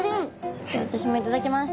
じゃあ私も頂きます。